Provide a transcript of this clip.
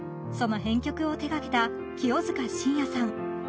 その編曲を手掛けた清塚信也さん。